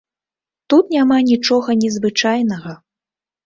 Тут няма нічога незвычайнага.